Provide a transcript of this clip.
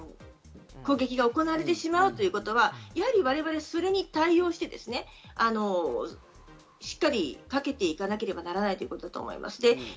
なので、あってもなくても攻撃が行われてしまうということは我々、それに対応して、しっかりかけていかなければいけないことだと思います。